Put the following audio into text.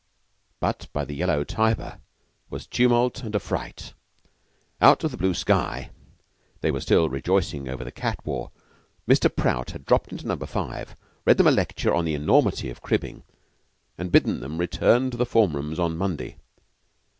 But by the yellow Tiber Was tumult and affright. Out of the blue sky (they were still rejoicing over the cat war) Mr. Prout had dropped into Number Five, read them a lecture on the enormity of cribbing, and bidden them return to the form rooms on Monday.